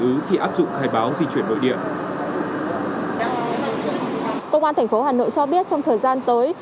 ứng khi áp dụng khai báo di chuyển nội địa công an thành phố hà nội cho biết trong thời gian tới